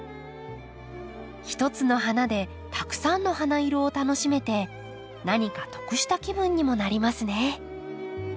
一つの花でたくさんの花色を楽しめて何か得した気分にもなりますね。